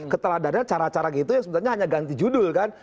keteladanan cara cara gitu yang sebenarnya hanya ganti judul kan